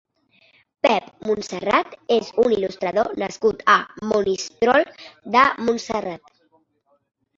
Pep Montserrat és un il·lustrador nascut a Monistrol de Montserrat.